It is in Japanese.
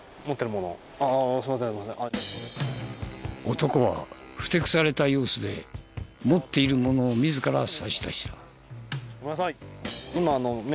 男はふてくされた様子で持っているものを自ら差し出した。